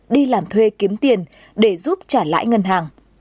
đi làm thuê kiếm tiền để giúp trả lãi ngân hàng